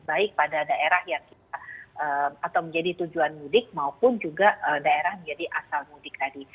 baik pada daerah yang kita atau menjadi tujuan mudik maupun juga daerah menjadi asal mudik tadi